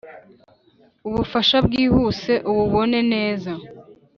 ubufasha bwihuse ububone neza!